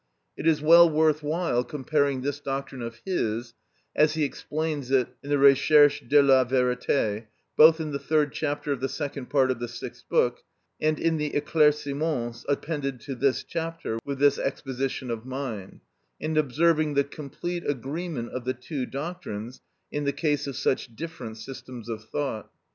It is well worth while comparing this doctrine of his, as he explains it in the "Recherches de la Vérite," both in the 3rd Chapter of the second part of the 6th Book, and in the éclaircissements appended to this chapter, with this exposition of mine, and observing the complete agreement of the two doctrines in the case of such different systems of thought.